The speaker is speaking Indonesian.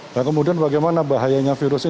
nah kemudian bagaimana bahayanya virus ini